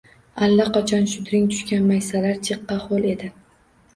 Allaqachon shudring tushgan, maysalar jiqqa hoʻl edi